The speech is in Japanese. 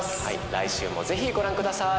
来週もぜひご覧ください。